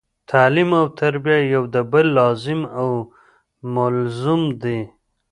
تعلیم او تربیه یو د بل لازم او ملزوم دي